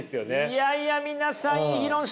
いやいや皆さん